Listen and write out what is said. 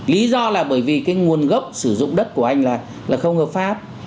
lý do là bởi vì cái nguồn gốc sử dụng đất của anh là không hợp pháp